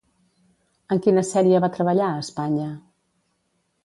En quina sèrie va treballar a Espanya?